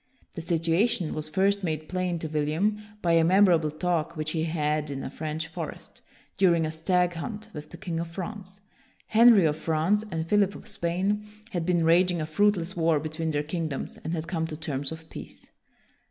The situation was first made plain to William by a memorable talk which he had in a French forest, during a stag hunt, with the king of France. Henry of France and Philip of Spain had been raging a fruitless war between their king doms, and had come to terms of peace.